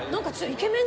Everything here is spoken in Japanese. イケメン。